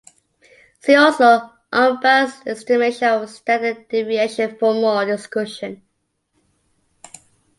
See also unbiased estimation of standard deviation for more discussion.